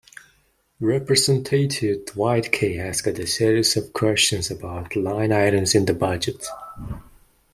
Representative Dwight Kay asked a series of questions about line items in the budget.